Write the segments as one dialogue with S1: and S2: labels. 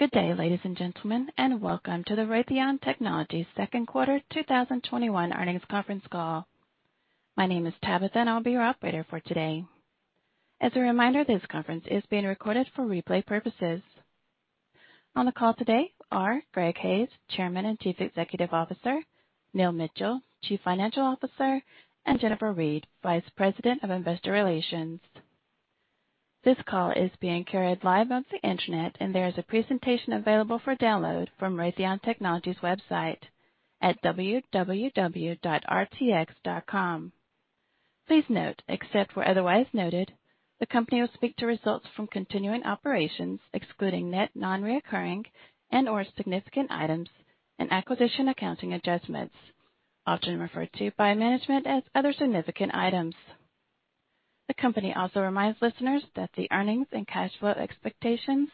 S1: Good day, ladies and gentlemen, and welcome to the Raytheon Technologies second quarter 2021 earnings conference call. My name is Tabitha, and I'll be your operator for today. As a reminder, this conference is being recorded for replay purposes. On the call today are Gregory Hayes, Chairman and Chief Executive Officer, Neil Mitchill, Chief Financial Officer, and Jennifer Reed, Vice President of Investor Relations. This call is being carried live on the internet, and there is a presentation available for download from Raytheon Technologies' website at www.rtx.com. Please note, except where otherwise noted, the company will speak to results from continuing operations excluding net non-recurring and/or significant items and acquisition accounting adjustments, often referred to by management as other significant items. The company also reminds listeners that the earnings and cash flow expectations,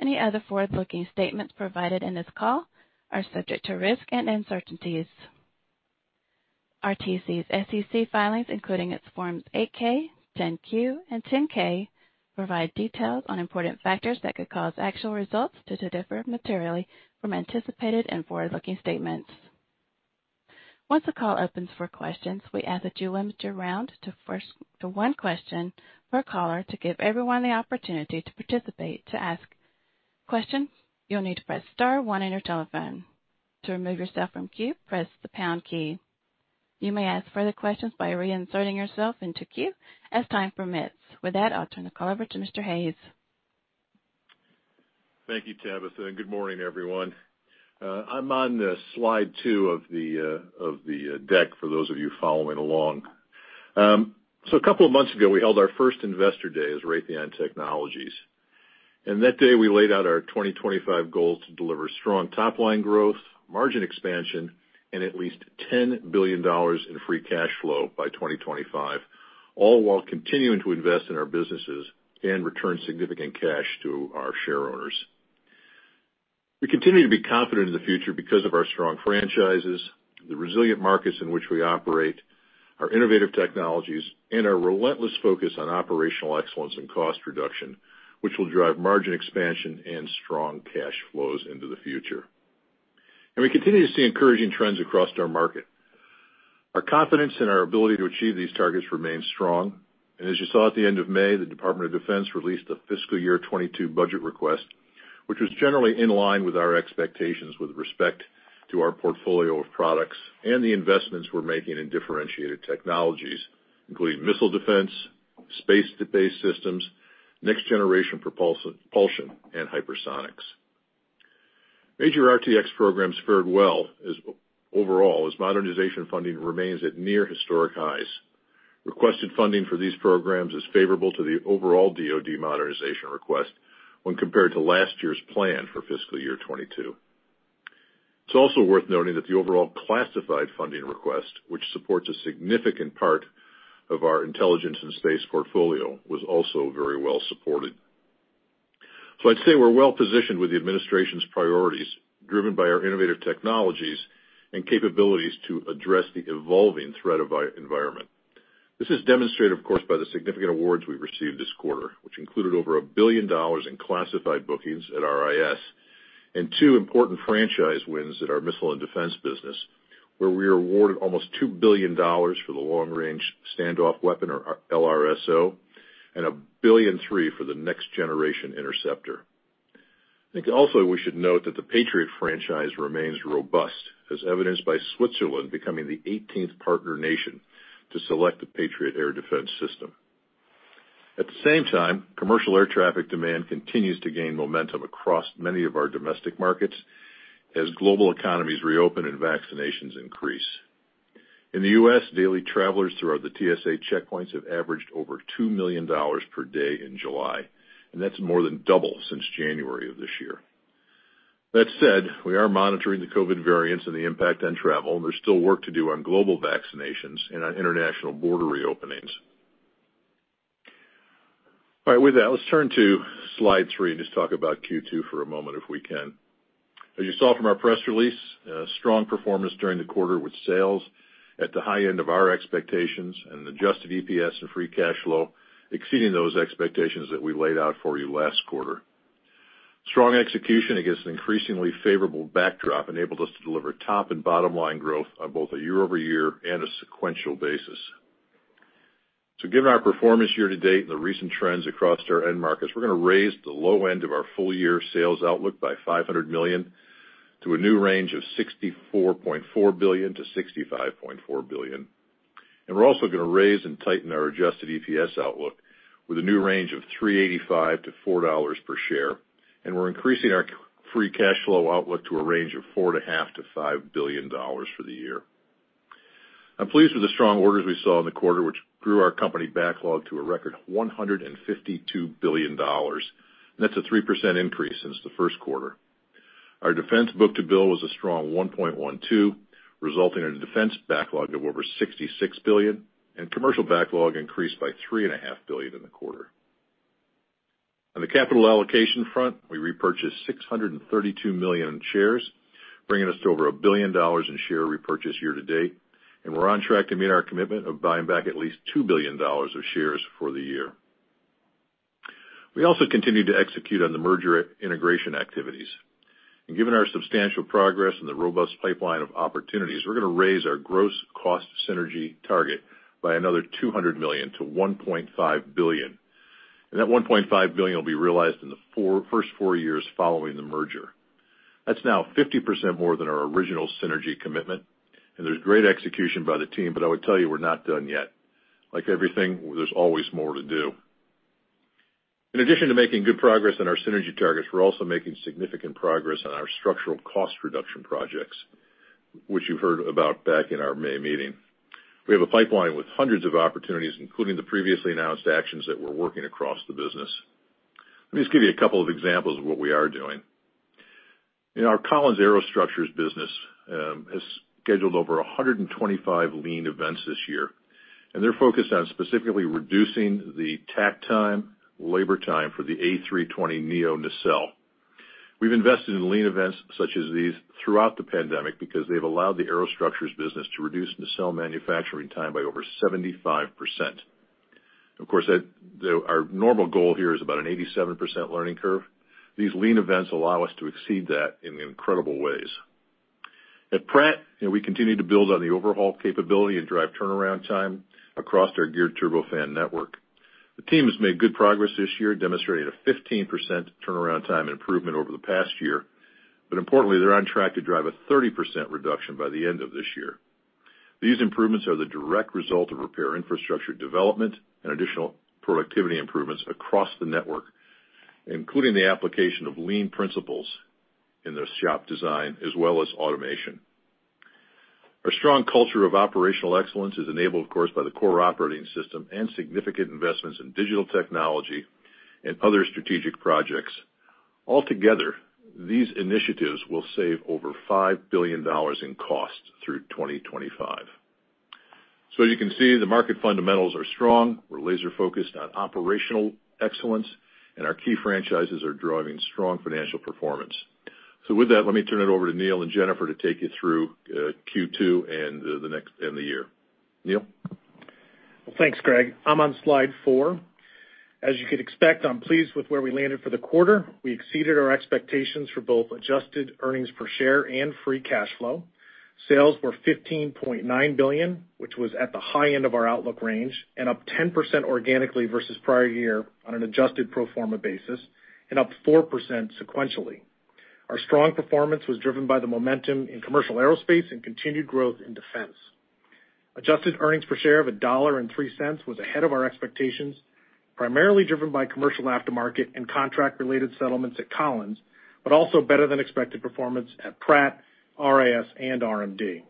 S1: any other forward-looking statements provided in this call are subject to risk and uncertainties. RTX's SEC filings, including its Forms 8-K, 10-Q, and 10-K, provide details on important factors that could cause actual results to differ materially from anticipated and forward-looking statements. Once the call opens for questions, we ask that you limit your round to one question per caller to give everyone the opportunity to participate. To ask questions, you'll need to press star one on your telephone. To remove yourself from queue, press the pound key. You may ask further questions by reinserting yourself into queue as time permits. With that, I'll turn the call over to Mr. Hayes.
S2: Thank you, Tabitha. Good morning, everyone. I'm on Slide 2 of the deck for those of you following along. A couple of months ago, we held our first investor day as Raytheon Technologies. In that day, we laid out our 2025 goals to deliver strong top-line growth, margin expansion, and at least $10 billion in free cash flow by 2025, all while continuing to invest in our businesses and return significant cash to our shareowners. We continue to be confident in the future because of our strong franchises, the resilient markets in which we operate, our innovative technologies, and our relentless focus on operational excellence and cost reduction, which will drive margin expansion and strong cash flows into the future. We continue to see encouraging trends across our market. Our confidence in our ability to achieve these targets remains strong. As you saw at the end of May, the Department of Defense released a FY 2022 budget request, which was generally in line with our expectations with respect to our portfolio of products and the investments we're making in differentiated technologies, including missile defense, space-based systems, next generation propulsion, and hypersonics. Major RTX programs fared well overall as modernization funding remains at near historic highs. Requested funding for these programs is favorable to the overall DoD modernization request when compared to last year's plan for FY 2022. It's also worth noting that the overall classified funding request, which supports a significant part of our intelligence and space portfolio, was also very well supported. I'd say we're well positioned with the administration's priorities, driven by our innovative technologies and capabilities to address the evolving threat of our environment. This is demonstrated, of course, by the significant awards we've received this quarter, which included over $1 billion in classified bookings at RIS and two important franchise wins at our Missiles & Defense business, where we were awarded almost $2 billion for the Long-Range Standoff Weapon, or LRSO, and $1.3 billion for the Next Generation Interceptor. I think also we should note that the Patriot franchise remains robust, as evidenced by Switzerland becoming the 18th partner nation to select the Patriot Air Defense System. At the same time, commercial air traffic demand continues to gain momentum across many of our domestic markets as global economies reopen and vaccinations increase. In the U.S., daily travelers throughout the TSA checkpoints have averaged over $2 million per day in July, and that's more than double since January of this year. That said, we are monitoring the COVID variants and the impact on travel. There's still work to do on global vaccinations and on international border reopenings. All right, with that, let's turn to Slide 3 and just talk about Q2 for a moment if we can. As you saw from our press release, strong performance during the quarter with sales at the high end of our expectations and adjusted EPS and free cash flow exceeding those expectations that we laid out for you last quarter. Strong execution against an increasingly favorable backdrop enabled us to deliver top and bottom-line growth on both a year-over-year and a sequential basis. Given our performance year-to-date and the recent trends across our end markets, we're going to raise the low end of our full-year sales outlook by $500 million to a new range of $64.4 billion-$65.4 billion. We're also going to raise and tighten our adjusted EPS outlook with a new range of $3.85-$4 per share. We're increasing our free cash flow outlook to a range of $4.5 billion-$5 billion for the year. I'm pleased with the strong orders we saw in the quarter, which grew our company backlog to a record $152 billion. That's a 3% increase since the first quarter. Our defense book-to-bill was a strong 1.12, resulting in a defense backlog of over $66 billion, and commercial backlog increased by $3.5 billion in the quarter. On the capital allocation front, we repurchased $632 million shares bringing us to over $1 billion in share repurchase year-to-date, and we're on track to meet our commitment of buying back at least $2 billion of shares for the year. We also continue to execute on the merger integration activities. Given our substantial progress and the robust pipeline of opportunities, we're going to raise our gross cost synergy target by another $200 million to $1.5 billion. That $1.5 billion will be realized in the first four years following the merger. That's now 50% more than our original synergy commitment, there's great execution by the team, I would tell you we're not done yet. Like everything, there's always more to do. In addition to making good progress on our synergy targets, we're also making significant progress on our structural cost reduction projects, which you heard about back in our May meeting. We have a pipeline with hundreds of opportunities, including the previously announced actions that we're working across the business. Let me just give you a couple of examples of what we are doing. In our Collins Aerostructures business, has scheduled over 125 lean events this year. They're focused on specifically reducing the takt time, labor time for the A320neo nacelle. We've invested in lean events such as these throughout the pandemic because they've allowed the Aerostructures business to reduce nacelle manufacturing time by over 75%. Of course, our normal goal here is about an 87% learning curve. These lean events allow us to exceed that in incredible ways. At Pratt, we continue to build on the overhaul capability and drive turnaround time across our Geared Turbofan network. The team has made good progress this year, demonstrating a 15% turnaround time improvement over the past year. Importantly, they're on track to drive a 30% reduction by the end of this year. These improvements are the direct result of repair infrastructure development and additional productivity improvements across the network, including the application of lean principles in the shop design as well as automation. Our strong culture of operational excellence is enabled, of course, by the CORE Operating System and significant investments in digital technology and other strategic projects. Altogether, these initiatives will save over $5 billion in costs through 2025. You can see the market fundamentals are strong. We're laser-focused on operational excellence, and our key franchises are driving strong financial performance. With that, let me turn it over to Neil and Jennifer to take you through Q2 and the year. Neil?
S3: Well, thanks, Greg. I'm on Slide 4. As you could expect, I'm pleased with where we landed for the quarter. We exceeded our expectations for both adjusted earnings per share and free cash flow. Sales were $15.9 billion, which was at the high end of our outlook range, and up 10% organically versus prior year on an adjusted pro forma basis and up 4% sequentially. Our strong performance was driven by the momentum in commercial aerospace and continued growth in defense. Adjusted earnings per share of $1.03 was ahead of our expectations, primarily driven by commercial aftermarket and contract-related settlements at Collins, but also better than expected performance at Pratt, RIS, and RMD.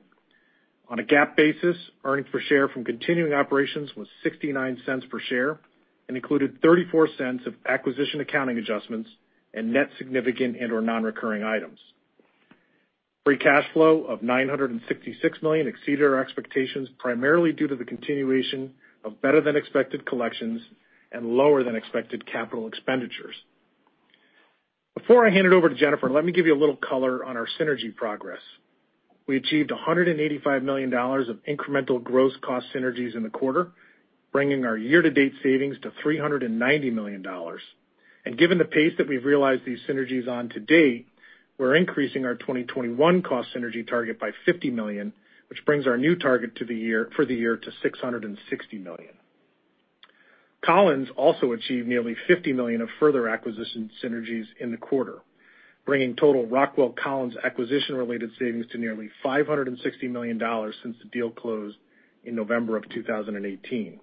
S3: On a GAAP basis, earnings per share from continuing operations was $0.69 per share and included $0.34 of acquisition accounting adjustments and net significant and/or non-recurring items. Free cash flow of $966 million exceeded our expectations, primarily due to the continuation of better than expected collections and lower than expected capital expenditures. Before I hand it over to Jennifer, let me give you a little color on our synergy progress. We achieved $185 million of incremental gross cost synergies in the quarter, bringing our year-to-date savings to $390 million. Given the pace that we've realized these synergies on to date, we're increasing our 2021 cost synergy target by $50 million, which brings our new target for the year to $660 million. Collins also achieved nearly $50 million of further acquisition synergies in the quarter, bringing total Rockwell Collins acquisition-related savings to nearly $560 million since the deal closed in November of 2018.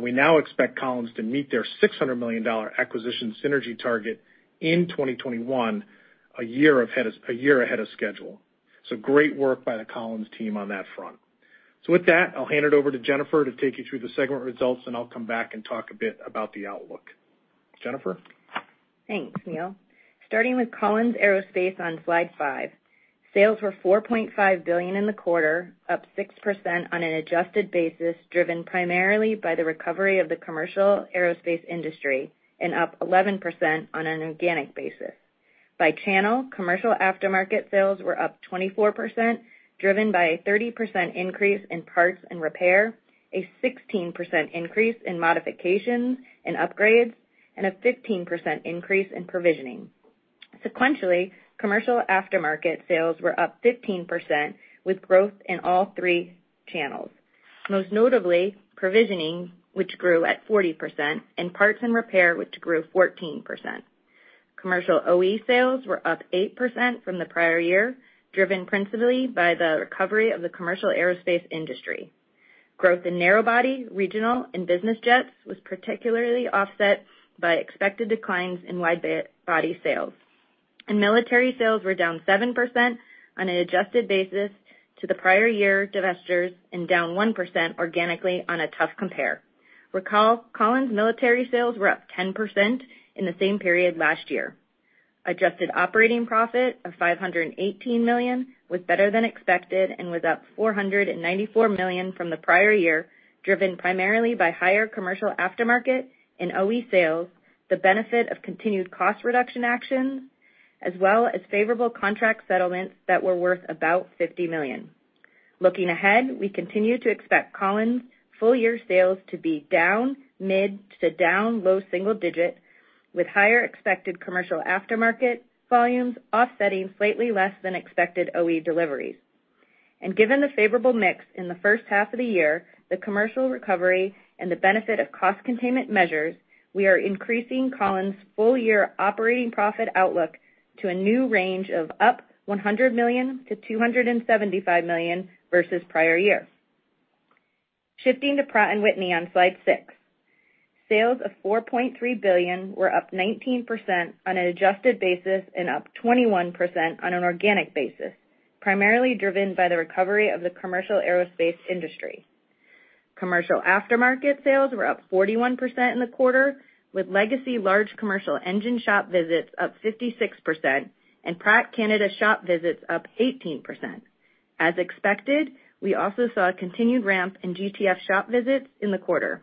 S3: We now expect Collins to meet their $600 million acquisition synergy target in 2021, a year ahead of schedule. Great work by the Collins team on that front. With that, I'll hand it over to Jennifer to take you through the segment results, and I'll come back and talk a bit about the outlook. Jennifer?
S4: Thanks, Neil. Starting with Collins Aerospace on Slide 5. Sales were $4.5 billion in the quarter, up 6% on an adjusted basis, driven primarily by the recovery of the commercial aerospace industry and up 11% on an organic basis. By channel, commercial aftermarket sales were up 24%, driven by a 30% increase in parts and repair, a 16% increase in modifications and upgrades, and a 15% increase in provisioning. Sequentially, commercial aftermarket sales were up 15%, with growth in all three channels. Most notably, provisioning, which grew at 40%, and parts and repair, which grew 14%. Commercial OE sales were up 8% from the prior year, driven principally by the recovery of the commercial aerospace industry. Growth in narrow body, regional, and business jets was particularly offset by expected declines in wide body sales. Military sales were down 7% on an adjusted basis to the prior year divestitures and down 1% organically on a tough compare. Collins military sales were up 10% in the same period last year. Adjusted operating profit of $518 million was better than expected and was up $494 million from the prior year, driven primarily by higher commercial aftermarket in OE sales. The benefit of continued cost reduction actions, as well as favorable contract settlements that were worth about $50 million. Looking ahead, we continue to expect Collins full year sales to be down mid to down low single digit, with higher expected commercial aftermarket volumes offsetting slightly less than expected OE deliveries. Given the favorable mix in the first half of the year, the commercial recovery, and the benefit of cost containment measures, we are increasing Collins' full year operating profit outlook to a new range of up $100 million-$275 million versus prior year. Shifting to Pratt & Whitney on Slide 6. Sales of $4.3 billion were up 19% on an adjusted basis and up 21% on an organic basis, primarily driven by the recovery of the commercial aerospace industry. Commercial aftermarket sales were up 41% in the quarter, with legacy large commercial engine shop visits up 56%, and Pratt Canada shop visits up 18%. As expected, we also saw a continued ramp in GTF shop visits in the quarter.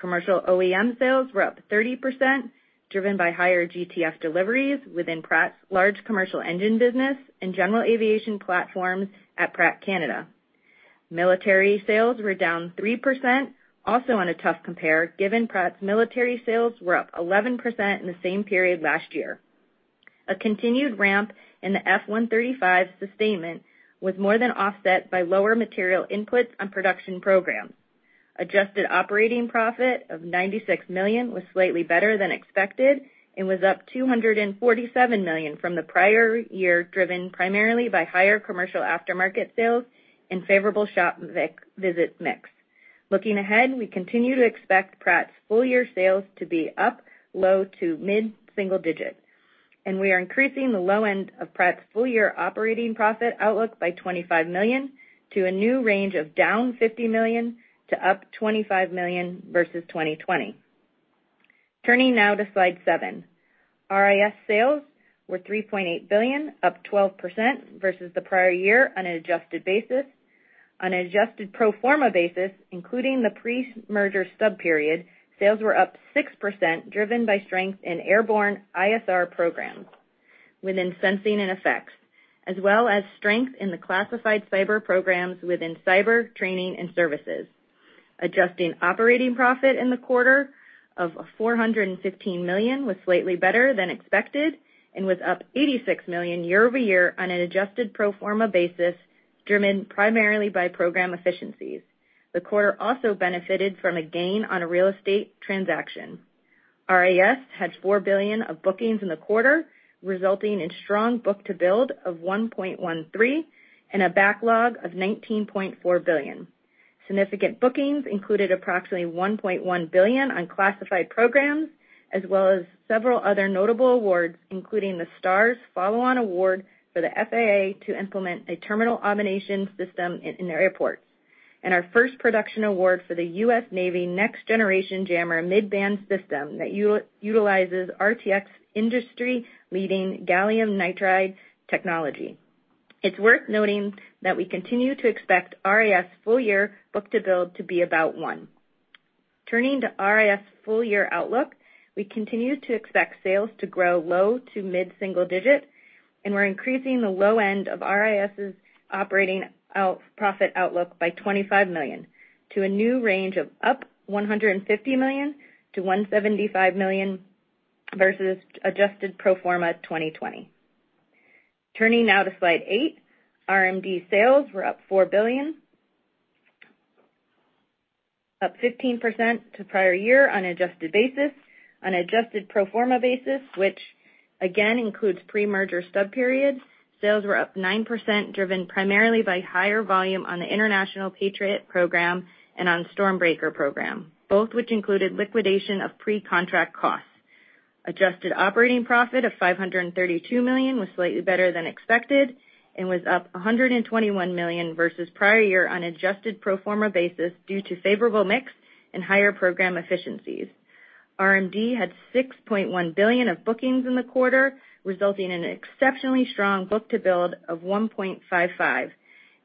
S4: Commercial OEM sales were up 30%, driven by higher GTF deliveries within Pratt's large commercial engine business and general aviation platforms at Pratt Canada. Military sales were down 3%, also on a tough compare, given Pratt's military sales were up 11% in the same period last year. A continued ramp in the F135 sustainment was more than offset by lower material inputs on production programs. Adjusted operating profit of $96 million was slightly better than expected and was up $247 million from the prior year, driven primarily by higher commercial aftermarket sales and favorable shop visit mix. Looking ahead, we continue to expect Pratt's full year sales to be up low to mid single-digit, and we are increasing the low end of Pratt's full year operating profit outlook by $25 million to a new range of down $50 million to up $25 million versus 2020. Turning now to Slide 7. RIS sales were $3.8 billion, up 12% versus the prior year on an adjusted basis. On an adjusted pro forma basis, including the pre-merger sub-period, sales were up 6%, driven by strength in airborne ISR programs within sensing and effects, as well as strength in the classified cyber programs within cyber, training, and services. Adjusted operating profit in the quarter of $415 million was slightly better than expected and was up $86 million year-over- year on an adjusted pro forma basis, driven primarily by program efficiencies. The quarter also benefited from a gain on a real estate transaction. RIS had $4 billion of bookings in the quarter, resulting in strong book-to-bill of 1.13 and a backlog of $19.4 billion. Significant bookings included approximately $1.1 billion on classified programs, as well as several other notable awards, including the STARS follow-on award for the FAA to implement a terminal automation system in their airports, and our first production award for the U.S. Navy Next Generation Jammer Mid-Band system that utilizes RTX industry-leading gallium nitride technology. It's worth noting that we continue to expect RIS full year book-to-bill to be about 1. Turning to RIS full year outlook, we continue to expect sales to grow low to mid single-digit, we're increasing the low end of RIS' operating profit outlook by $25 million to a new range of up $150 million-$175 million versus adjusted pro forma 2020. Turning now to Slide 8, RMD sales were up $4 billion, up 15% to prior year on adjusted basis. On adjusted pro forma basis, which again includes pre-merger sub-periods, sales were up 9%, driven primarily by higher volume on the International Patriot Program and on StormBreaker program, both which included liquidation of pre-contract costs. Adjusted operating profit of $532 million was slightly better than expected and was up $121 million versus prior year on adjusted pro forma basis due to favorable mix and higher program efficiencies. RMD had $6.1 billion of bookings in the quarter, resulting in an exceptionally strong book-to-bill of 1.55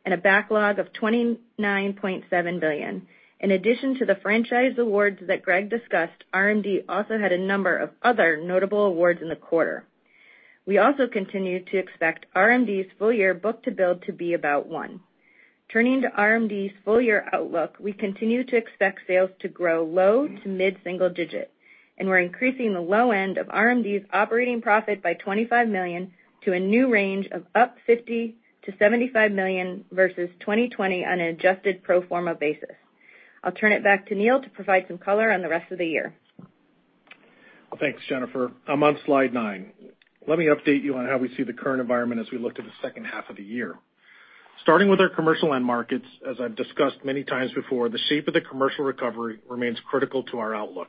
S4: and a backlog of $29.7 billion. In addition to the franchise awards that Gregory discussed, RMD also had a number of other notable awards in the quarter. We also continue to expect RMD's full year book-to-bill to be about 1. Turning to RMD's full year outlook, we continue to expect sales to grow low to mid single digit, and we're increasing the low end of RMD's operating profit by $25 million to a new range of up $50 million-$75 million versus 2020 on an adjusted pro forma basis. I'll turn it back to Neil to provide some color on the rest of the year.
S3: Thanks, Jennifer. I'm on Slide 9. Let me update you on how we see the current environment as we look to the second half of the year. Starting with our commercial end markets, as I've discussed many times before, the shape of the commercial recovery remains critical to our outlook.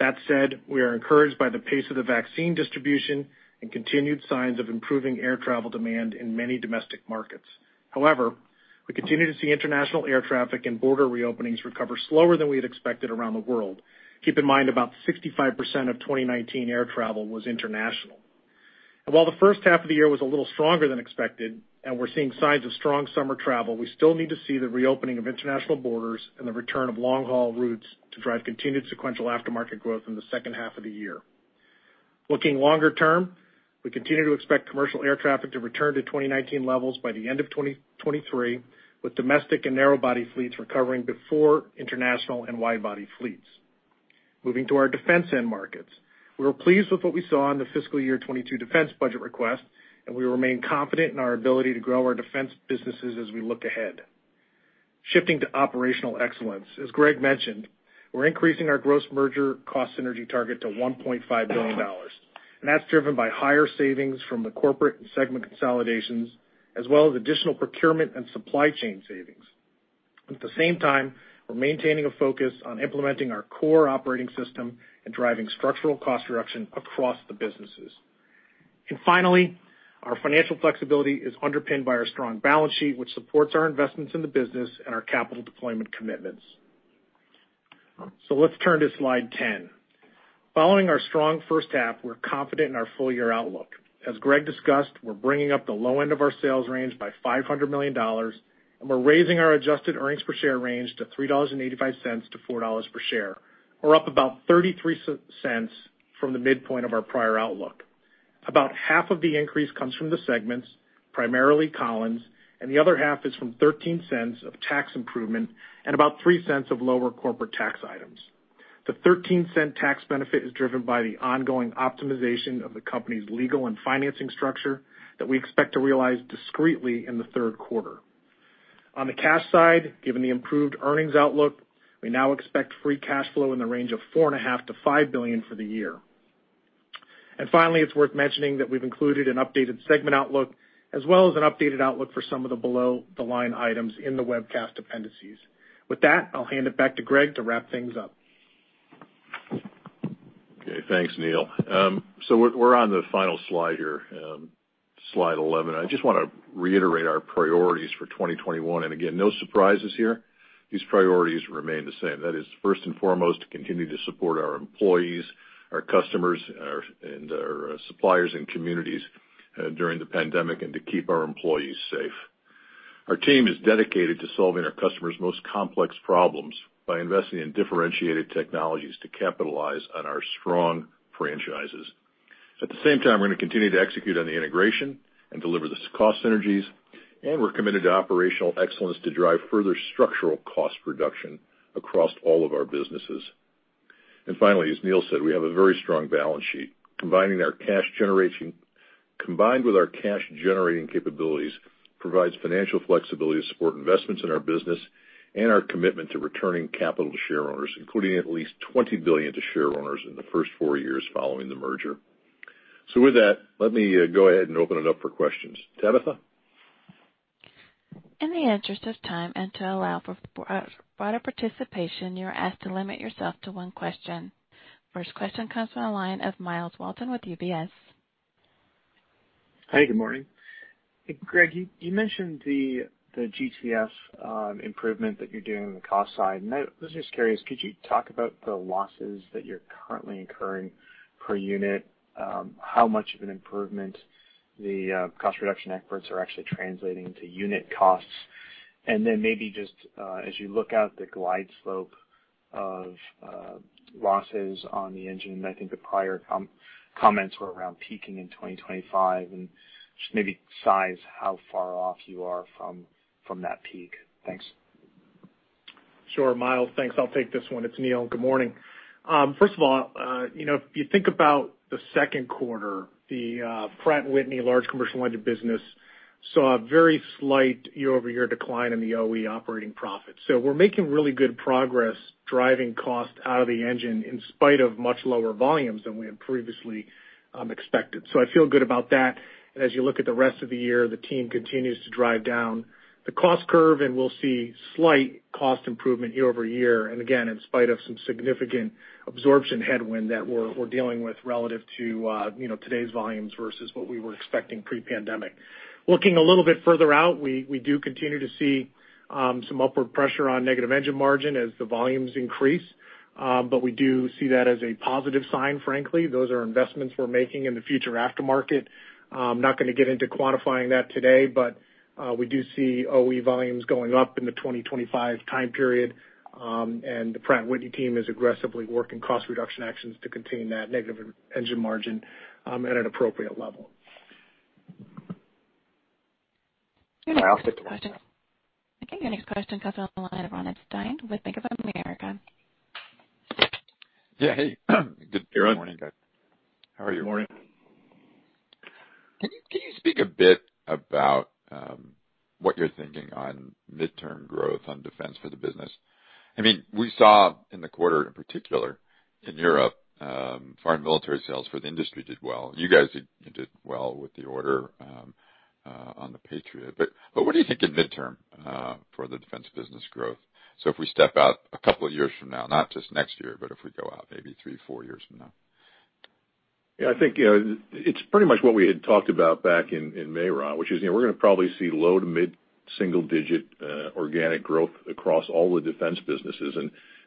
S3: That said, we are encouraged by the pace of the vaccine distribution and continued signs of improving air travel demand in many domestic markets. However, we continue to see international air traffic and border reopenings recover slower than we had expected around the world. Keep in mind, about 65% of 2019 air travel was international. While the first half of the year was a little stronger than expected, and we're seeing signs of strong summer travel, we still need to see the reopening of international borders and the return of long-haul routes to drive continued sequential aftermarket growth in the second half of the year. Looking longer-term, we continue to expect commercial air traffic to return to 2019 levels by the end of 2023, with domestic and narrow body fleets recovering before international and wide body fleets. Moving to our defense end markets. We were pleased with what we saw in the fiscal year 2022 defense budget request, and we remain confident in our ability to grow our defense businesses as we look ahead. Shifting to operational excellence, as Greg mentioned, we're increasing our gross merger cost synergy target to $1.5 billion. That's driven by higher savings from the corporate and segment consolidations, as well as additional procurement and supply chain savings. At the same time, we're maintaining a focus on implementing our CORE Operating System and driving structural cost reduction across the businesses. Finally, our financial flexibility is underpinned by our strong balance sheet, which supports our investments in the business and our capital deployment commitments. Let's turn to Slide 10. Following our strong first half, we're confident in our full-year outlook. As Greg discussed, we're bringing up the low end of our sales range by $500 million, and we're raising our adjusted earnings per share range to $3.85-$4 per share. We're up about $0.33 from the midpoint of our prior outlook. About half of the increase comes from the segments, primarily Collins, the other half is from $0.13 of tax improvement and about $0.03 of lower corporate tax items. The $0.13 tax benefit is driven by the ongoing optimization of the company's legal and financing structure that we expect to realize discreetly in the third quarter. On the cash side, given the improved earnings outlook, we now expect free cash flow in the range of $4.5 billion-$5 billion for the year. Finally, it's worth mentioning that we've included an updated segment outlook as well as an updated outlook for some of the below the line items in the webcast appendices. With that, I'll hand it back to Greg to wrap things up.
S2: Thanks, Neil. We're on the final slide here, Slide 11. I just want to reiterate our priorities for 2021. Again, no surprises here. These priorities remain the same. That is first and foremost, to continue to support our employees, our customers, and our suppliers and communities during the pandemic, and to keep our employees safe. Our team is dedicated to solving our customers' most complex problems by investing in differentiated technologies to capitalize on our strong franchises. At the same time, we're going to continue to execute on the integration and deliver the cost synergies, and we're committed to operational excellence to drive further structural cost reduction across all of our businesses. Finally, as Neil said, we have a very strong balance sheet. Combined with our cash-generating capabilities, provides financial flexibility to support investments in our business and our commitment to returning capital to shareholders, including at least $20 billion to shareholders in the first four years following the merger. With that, let me go ahead and open it up for questions. Tabitha?
S1: In the interest of time and to allow for broader participation, you are asked to limit yourself to one question. First question comes from the line of Myles Walton with UBS.
S5: Hey, good morning. Greg, you mentioned the GTF improvement that you're doing on the cost side. I was just curious, could you talk about the losses that you're currently incurring per unit? How much of an improvement the cost reduction efforts are actually translating to unit costs? Then maybe just as you look out the glide slope of losses on the engine, I think the prior comments were around peaking in 2025, and just maybe size how far off you are from that peak. Thanks.
S3: Sure, Myles. Thanks. I'll take this one. It's Neil. Good morning. First of all, if you think about the second quarter, the Pratt & Whitney large commercial engine business saw a very slight year-over-year decline in the OE operating profit. We're making really good progress driving cost out of the engine in spite of much lower volumes than we had previously expected. I feel good about that. As you look at the rest of the year, the team continues to drive down the cost curve, and we'll see slight cost improvement year-over-year. Again, in spite of some significant absorption headwind that we're dealing with relative to today's volumes versus what we were expecting pre-pandemic. Looking a little bit further out, we do continue to see some upward pressure on negative engine margin as the volumes increase. We do see that as a positive sign, frankly. Those are investments we're making in the future aftermarket. I'm not going to get into quantifying that today, we do see OE volumes going up in the 2025 time period. The Pratt & Whitney team is aggressively working cost reduction actions to contain that negative engine margin at an appropriate level.
S1: I'll take the next one. Okay, your next question comes on the line of Ronald Epstein with Bank of America.
S6: Yeah. Hey.
S2: Hey, Ron.
S6: Good morning, guys. How are you?
S2: Good morning.
S6: Can you speak a bit about what you're thinking on midterm growth on defense for the business? We saw in the quarter, in particular in Europe, Foreign Military Sales for the industry did well. You guys did well with the order on the Patriot. What do you think in midterm for the defense business growth? If we step out a couple of years from now, not just next year, but if we go out maybe three, four years from now.
S2: Yeah, I think it's pretty much what we had talked about back in May, Ron, which is we're going to probably see low to mid-single digit organic growth across all the defense businesses.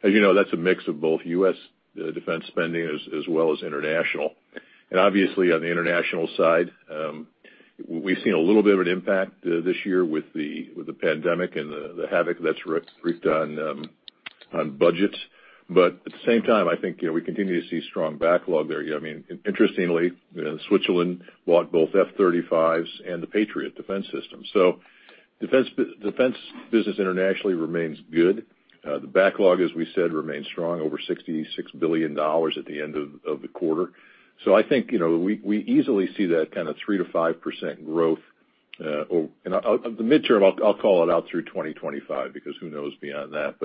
S2: As you know, that's a mix of both U.S. defense spending as well as international. Obviously on the international side, we've seen a little bit of an impact this year with the pandemic and the havoc that's wreaked on budgets. At the same time, I think we continue to see strong backlog there. Interestingly, Switzerland bought both F-35s and the Patriot Air Defense System. Defense business internationally remains good. The backlog, as we said, remains strong, over $66 billion at the end of the quarter. I think, we easily see that kind of 3%-5% growth. The midterm, I'll call it out through 2025, because who knows beyond that.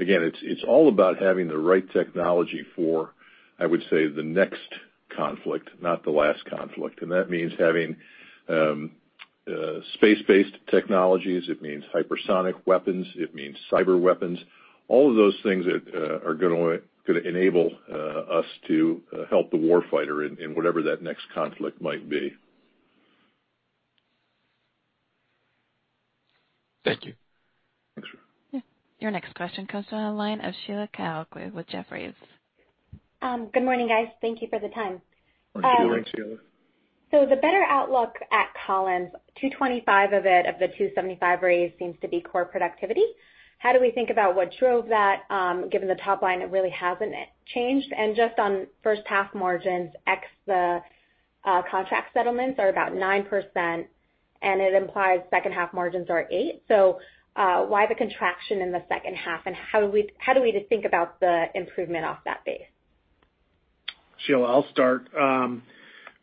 S2: Again, it's all about having the right technology for, I would say, the next conflict, not the last conflict. That means having space-based technologies. It means hypersonic weapons. It means cyber weapons. All of those things that are going to enable us to help the war fighter in whatever that next conflict might be.
S6: Thank you.
S2: Thanks.
S1: Yeah. Your next question comes on the line of Sheila Kahyaoglu with Jefferies.
S7: Good morning, guys. Thank you for the time.
S2: Good morning, Sheila.
S7: The better outlook at Collins, $225 million of it of the $275 million raise seems to be core productivity. How do we think about what drove that, given the top line, it really hasn't changed. Just on first half margins, ex the contract settlements are about 9%, and it implies second half margins are 8%. Why the contraction in the second half, and how do we think about the improvement off that base?
S3: Sheila, I'll start.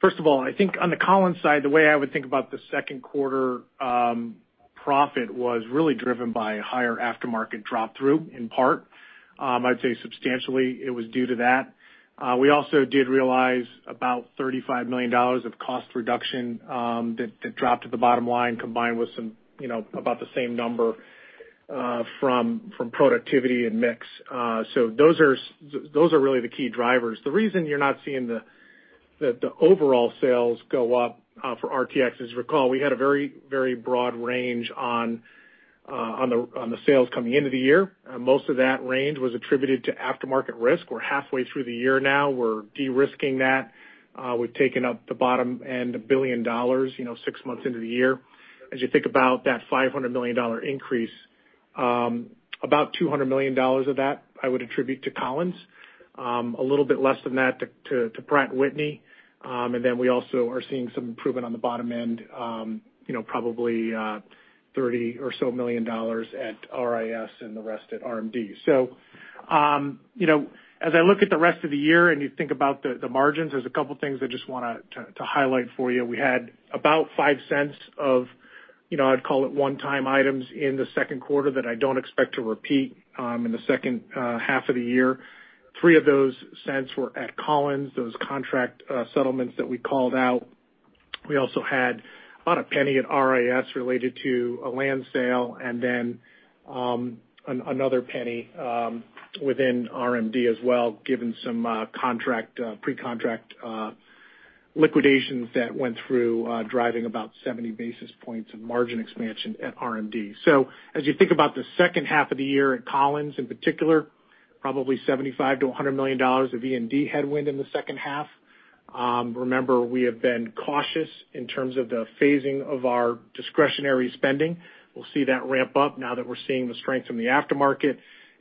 S3: First of all, I think on the Collins side, the way I would think about the second quarter profit was really driven by a higher aftermarket drop through in part. I'd say substantially it was due to that. We also did realize about $35 million of cost reduction that dropped at the bottom line, combined with about the same number from productivity and mix. Those are really the key drivers. The reason you're not seeing the overall sales go up for RTX, as you recall, we had a very broad range on the sales coming into the year. Most of that range was attributed to aftermarket risk. We're halfway through the year now. We're de-risking that. We've taken up the bottom end $1 billion, six months into the year. As you think about that $500 million increase, about $200 million of that I would attribute to Collins. A little bit less than that to Pratt & Whitney. We also are seeing some improvement on the bottom end, probably $30 or so million at RIS and the rest at RMD. As I look at the rest of the year, and you think about the margins, there's a couple of things I just want to highlight for you. We had about $0.05 of, I'd call it one-time items in the second quarter that I don't expect to repeat in the second half of the year. $0.03 of those were at Collins, those contract settlements that we called out. We also had about $0.01 at RIS related to a land sale then another $0.01 within RMD as well, given some pre-contract liquidations that went through, driving about 70 basis points of margin expansion at RMD. As you think about the second half of the year at Collins in particular, probably $75 million-$100 million of E&D headwind in the second half. Remember, we have been cautious in terms of the phasing of our discretionary spending. We'll see that ramp up now that we're seeing the strength in the aftermarket.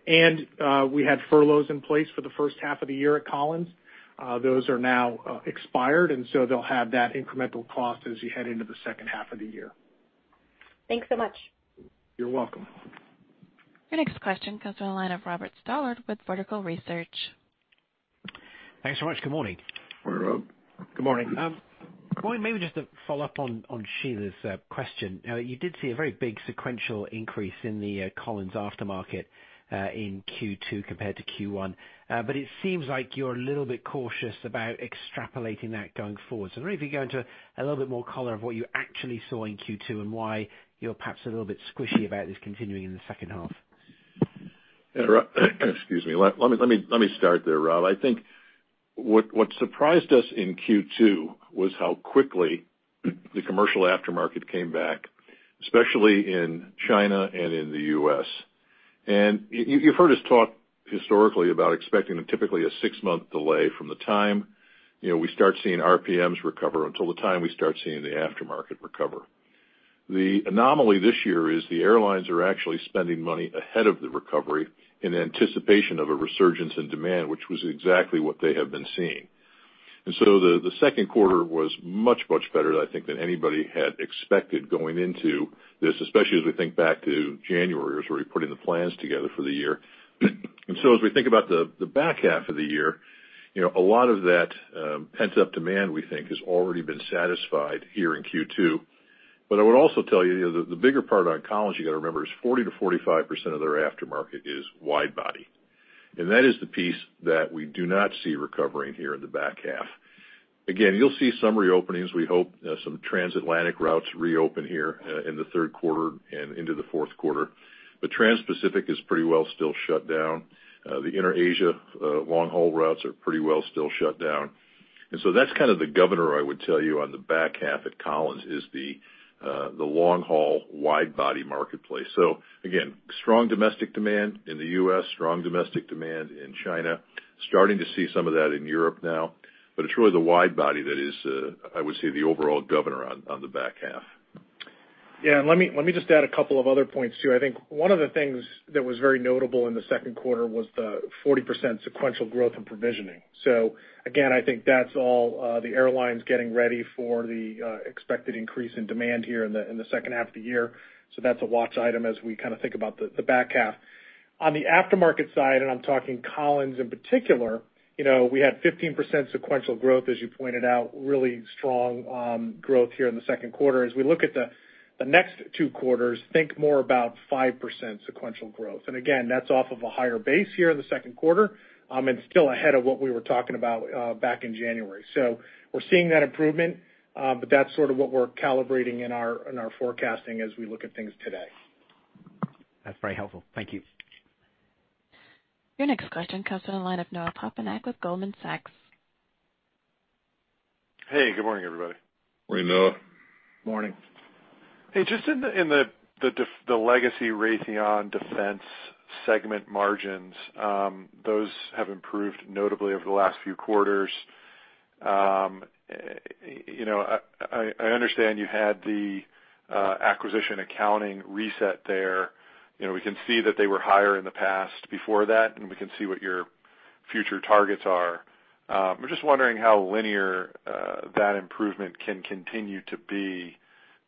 S3: We had furloughs in place for the first half of the year at Collins. Those are now expired, they'll have that incremental cost as you head into the second half of the year.
S7: Thanks so much.
S3: You're welcome.
S1: Your next question comes from the line of Robert Stallard with Vertical Research.
S8: Thanks so much. Good morning.
S2: Good morning.
S8: Neil, maybe just to follow up on Sheila's question. You did see a very big sequential increase in the Collins aftermarket, in Q2 compared to Q1. It seems like you're a little bit cautious about extrapolating that going forward. I wonder if you can go into a little bit more color of what you actually saw in Q2 and why you're perhaps a little bit squishy about this continuing in the second half.
S2: Excuse me. Let me start there, Rob. I think what surprised us in Q2 was how quickly the commercial aftermarket came back, especially in China and in the U.S. You've heard us talk historically about expecting typically a six-month delay from the time we start seeing RPMs recover until the time we start seeing the aftermarket recover. The anomaly this year is the airlines are actually spending money ahead of the recovery in anticipation of a resurgence in demand, which was exactly what they have been seeing. The second quarter was much better, I think, than anybody had expected going into this, especially as we think back to January as we were putting the plans together for the year. As we think about the back half of the year, a lot of that pent-up demand, we think, has already been satisfied here in Q2. I would also tell you, the bigger part on Collins you got to remember is 40%-45% of their aftermarket is wide body. That is the piece that we do not see recovering here in the back half. Again, you'll see some reopenings. We hope some transatlantic routes reopen here in the third quarter and into the fourth quarter. The transpacific is pretty well still shut down. The Inter-Asia long-haul routes are pretty well still shut down. That's kind of the governor, I would tell you, on the back half at Collins, is the long-haul wide body marketplace. Again, strong domestic demand in the U.S., strong domestic demand in China. Starting to see some of that in Europe now. It's really the wide body that is, I would say, the overall governor on the back half.
S3: Yeah, let me just add a couple of other points, too. I think one of the things that was very notable in the second quarter was the 40% sequential growth in provisioning. Again, I think that's all the airlines getting ready for the expected increase in demand here in the second half of the year. That's a watch item as we kind of think about the back half. On the aftermarket side, and I'm talking Collins in particular, we had 15% sequential growth, as you pointed out, really strong growth here in the second quarter. As we look at the next two quarters, think more about 5% sequential growth. Again, that's off of a higher base here in the second quarter. Still ahead of what we were talking about back in January. We're seeing that improvement, but that's sort of what we're calibrating in our forecasting as we look at things today.
S8: That's very helpful. Thank you.
S1: Your next question comes on the line of Noah Poponak with Goldman Sachs.
S9: Hey, good morning, everybody.
S2: Morning, Noah.
S3: Morning.
S9: Hey, just in the legacy Raytheon defense segment margins, those have improved notably over the last few quarters. I understand you had the acquisition accounting reset there. We can see that they were higher in the past before that, and we can see what your future targets are. I'm just wondering how linear that improvement can continue to be,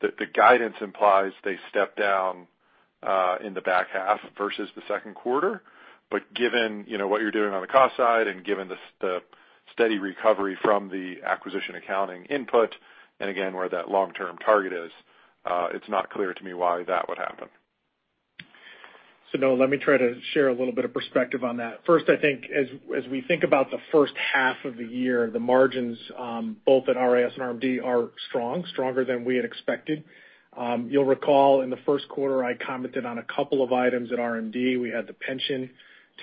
S9: that the guidance implies they step down in the back half versus the second quarter. Given what you're doing on the cost side and given the steady recovery from the acquisition accounting input, and again, where that long-term target is, it's not clear to me why that would happen.
S3: Noah, let me try to share a little bit of perspective on that. First, I think as we think about the first half of the year, the margins, both at RIS and RMD, are strong, stronger than we had expected. You'll recall in the first quarter, I commented on a couple of items at RMD. We had the pension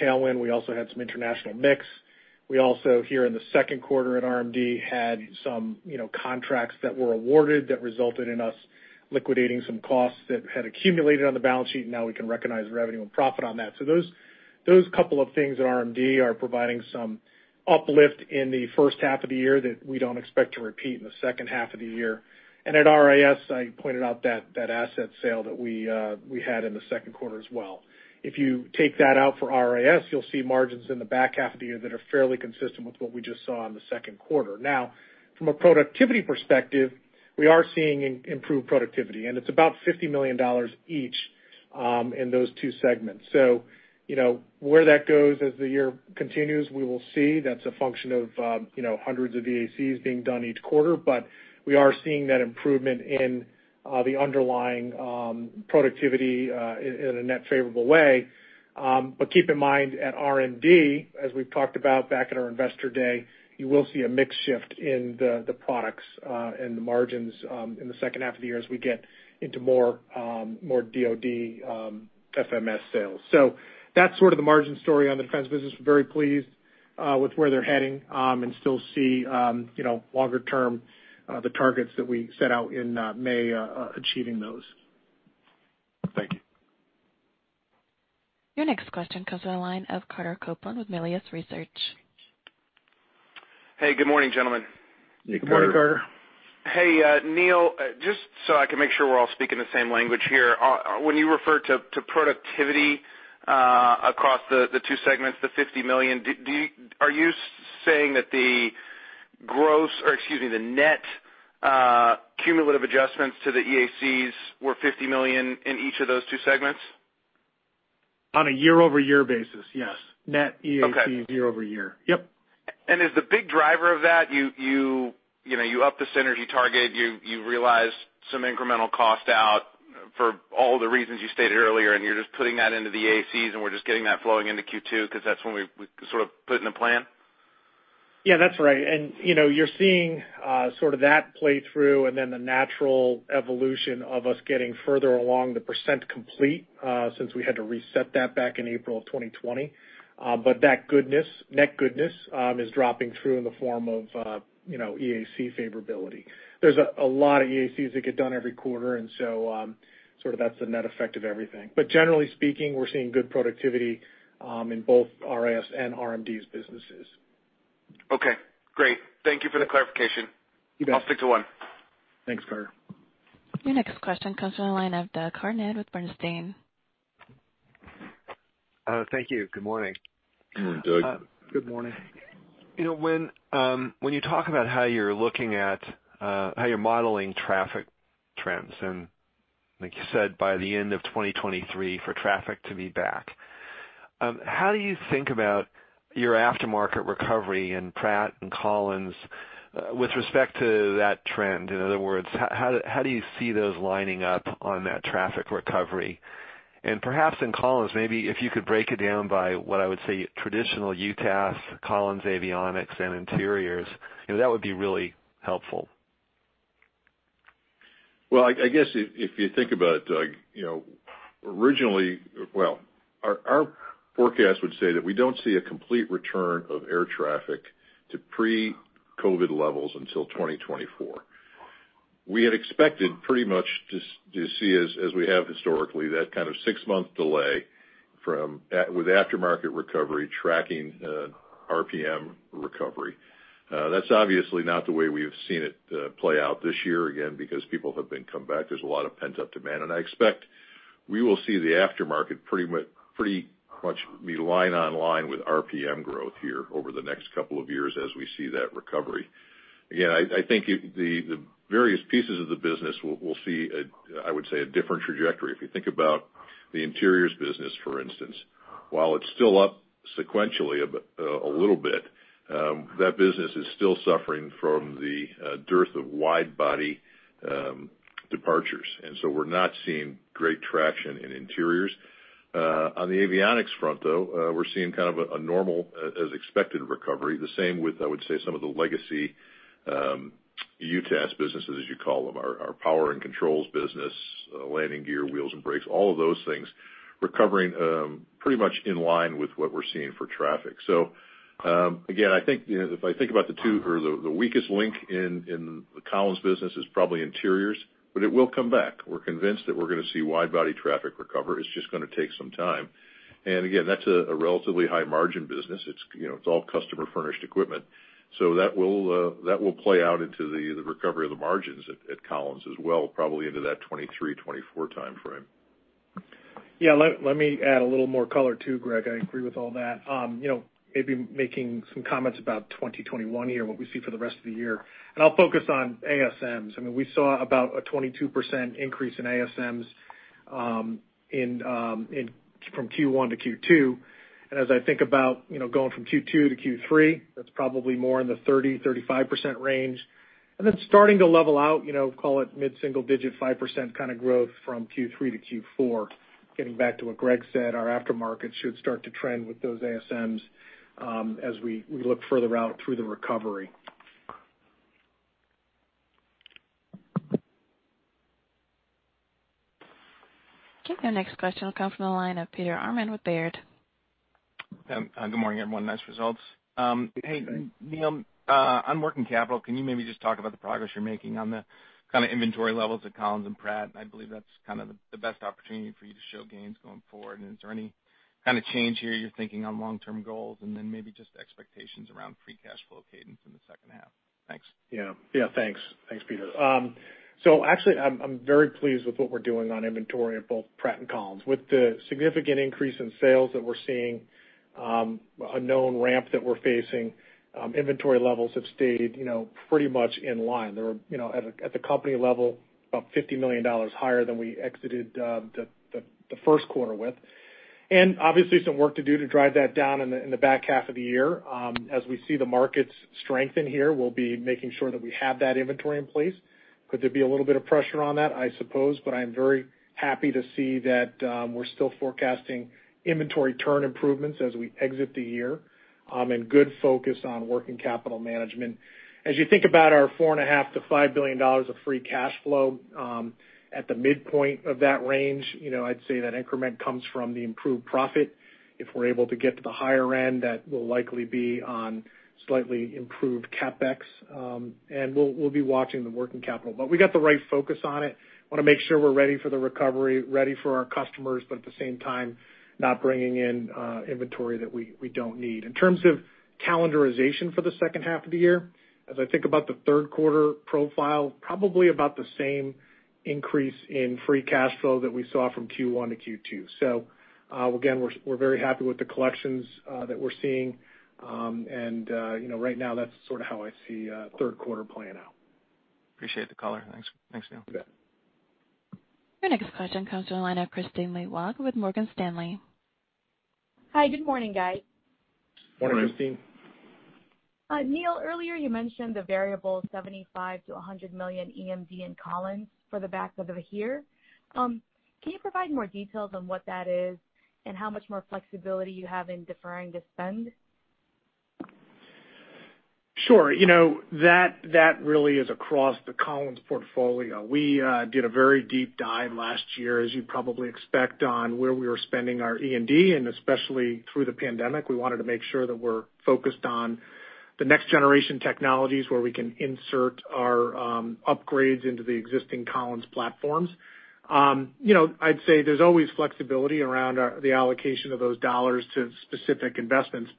S3: tailwind. We also had some international mix. We also, here in the second quarter at RMD, had some contracts that were awarded that resulted in us liquidating some costs that had accumulated on the balance sheet, and now we can recognize revenue and profit on that. Those couple of things at RMD are providing some uplift in the first half of the year that we don't expect to repeat in the second half of the year. At RIS, I pointed out that asset sale that we had in the second quarter as well. If you take that out for RIS, you'll see margins in the back half of the year that are fairly consistent with what we just saw in the second quarter. From a productivity perspective, we are seeing improved productivity, and it's about $50 million each in those two segments. Where that goes as the year continues, we will see. That's a function of hundreds of EACs being done each quarter. We are seeing that improvement in the underlying productivity in a net favorable way. Keep in mind at RMD, as we've talked about back at our Investor Day, you will see a mix shift in the products and the margins in the second half of the year as we get into more DoD FMS sales. That's sort of the margin story on the defense business. We're very pleased with where they're heading and still see longer-term, the targets that we set out in May, achieving those.
S9: Thank you.
S1: Your next question comes to the line of Carter Copeland with Melius Research.
S10: Hey, good morning, gentlemen.
S2: Hey, Carter.
S3: Good morning, Carter.
S10: Hey, Neil, just so I can make sure we're all speaking the same language here. When you refer to productivity, across the two segments, the $50 million, are you saying that the gross, or excuse me, the net cumulative adjustments to the EACs were $50 million in each of those two segments?
S3: On a year-over-year basis, yes. Net EAC year-over-year. Yep.
S10: Is the big driver of that, you up the synergy target, you realize some incremental cost out for all the reasons you stated earlier, and you're just putting that into the EACs, and we're just getting that flowing into Q2 because that's when we sort of put in a plan?
S3: Yeah, that's right. You're seeing sort of that play through and then the natural evolution of us getting further along the percent complete, since we had to reset that back in April of 2020. That goodness, net goodness, is dropping through in the form of EAC favorability. There's a lot of EACs that get done every quarter, sort of that's the net effect of everything. Generally speaking, we're seeing good productivity, in both RIS and RMD's businesses.
S10: Okay, great. Thank you for the clarification.
S3: You bet.
S10: I'll stick to one.
S3: Thanks, Carter.
S1: Your next question comes from the line of Doug Harned with Bernstein.
S11: Thank you. Good morning.
S2: Good morning, Doug.
S3: Good morning.
S11: When you talk about how you're looking at how you're modeling traffic trends, and like you said, by the end of 2023 for traffic to be back, how do you think about your aftermarket recovery in Pratt and Collins with respect to that trend? In other words, how do you see those lining up on that traffic recovery? Perhaps in Collins, maybe if you could break it down by what I would say traditional UTAS, Collins Avionics and Interiors, that would be really helpful.
S2: I guess if you think about it, originally, our forecast would say that we don't see a complete return of air traffic to pre-COVID levels until 2024. We had expected pretty much to see, as we have historically, that kind of six-month delay with aftermarket recovery tracking RPM recovery. That's obviously not the way we have seen it play out this year, again, because people have been coming back. There's a lot of pent-up demand, and I expect we will see the aftermarket pretty much be line on line with RPM growth here over the next couple of years as we see that recovery. I think the various pieces of the business will see, I would say, a different trajectory. If you think about the interiors business, for instance, while it's still up sequentially a little bit, that business is still suffering from the dearth of wide body departures, and so we're not seeing great traction in interiors. On the avionics front, though, we're seeing kind of a normal, as expected, recovery. The same with, I would say, some of the legacy UTAS businesses, as you call them, our power and controls business, landing gear, wheels and brakes, all of those things recovering pretty much in line with what we're seeing for traffic. Again, if I think about the weakest link in the Collins business is probably interiors, but it will come back. We're convinced that we're going to see wide body traffic recover. It's just going to take some time. Again, that's a relatively high margin business. It's all customer-furnished equipment. That will play out into the recovery of the margins at Collins as well, probably into that 2023, 2024 timeframe.
S3: Yeah, let me add a little more color too, Greg. I agree with all that. Maybe making some comments about 2021 here, what we see for the rest of the year. I'll focus on ASMs. We saw about a 22% increase in ASMs from Q1-Q2. As I think about going from Q2-Q3, that's probably more in the 30%-35% range. Then starting to level out, call it mid-single digit, 5% kind of growth from Q3-Q4. Getting back to what Greg said, our aftermarket should start to trend with those ASMs as we look further out through the recovery.
S1: Okay. Our next question will come from the line of Peter Arment with Baird.
S12: Good morning, everyone. Nice results.
S2: Good day.
S12: Hey, Neil, on working capital, can you maybe just talk about the progress you're making on the kind of inventory levels at Collins and Pratt? I believe that's kind of the best opportunity for you to show gains going forward. Is there any kind of change here you're thinking on long-term goals? Maybe just expectations around free cash flow cadence in the second half. Thanks.
S3: Yeah. Thanks, Peter. Actually, I'm very pleased with what we're doing on inventory at both Pratt and Collins. With the significant increase in sales that we're seeing, a known ramp that we're facing, inventory levels have stayed pretty much in line. They were, at the company level, about $50 million higher than we exited the first quarter with. Obviously, some work to do to drive that down in the back half of the year. As we see the markets strengthen here, we'll be making sure that we have that inventory in place. Could there be a little bit of pressure on that? I suppose, but I'm very happy to see that we're still forecasting inventory turn improvements as we exit the year, and good focus on working capital management. You think about our $4.5 billion-$5 billion of free cash flow, at the midpoint of that range, I'd say that increment comes from the improved profit. If we're able to get to the higher end, that will likely be on slightly improved CapEx. We'll be watching the working capital. We got the right focus on it. We want to make sure we're ready for the recovery, ready for our customers, but at the same time, not bringing in inventory that we don't need. In terms of calendarization for the second half of the year, as I think about the third quarter profile, probably about the same increase in free cash flow that we saw from Q1-Q2. Again, we're very happy with the collections that we're seeing. Right now, that's sort of how I see third quarter playing out.
S12: Appreciate the color. Thanks, Neil.
S3: You bet.
S1: Your next question comes to the line of Kristine Liwag with Morgan Stanley.
S13: Hi. Good morning, guys.
S2: Morning.
S3: Morning, Kristine
S13: Neil, earlier you mentioned the variable $75 million-$100 million E&D in Collins for the back of the year, can you provide more details on what that is and how much more flexibility you have in deferring the spend?
S3: Sure. That really is across the Collins portfolio. We did a very deep dive last year, as you probably expect, on where we were spending our E&D. Especially through the pandemic, we wanted to make sure that we're focused on the next generation technologies where we can insert our upgrades into the existing Collins platforms. I'd say there's always flexibility around the allocation of those dollars to specific investments.